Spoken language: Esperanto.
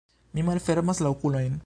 Mi malfermas la okulojn.